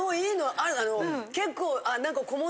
結構。